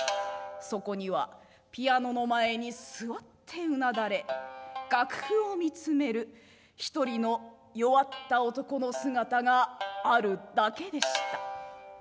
そこにはピアノの前に座ってうなだれ楽譜を見つめる一人の弱った男の姿があるだけでした。